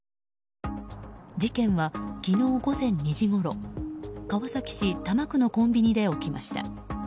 事件は昨日午前２時ごろ川崎市多摩区のコンビニで起きました。